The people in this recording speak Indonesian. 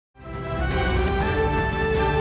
terima kasih pak